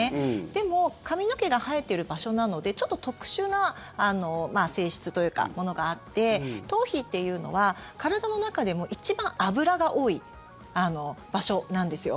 でも髪の毛が生えている場所なのでちょっと特殊な性質というかものがあって頭皮っていうのは体の中でも一番脂が多い場所なんですよ。